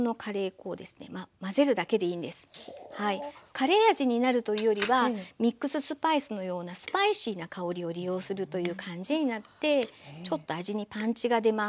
カレー味になるというよりはミックススパイスのようなスパイシーな香りを利用するという感じになってちょっと味にパンチが出ます。